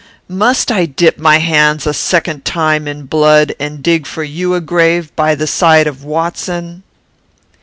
Must I dip my hands, a second time, in blood; and dig for you a grave by the side of Watson?"